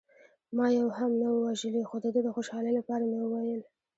ما یو هم نه و وژلی، خو د ده د خوشحالۍ لپاره مې وویل.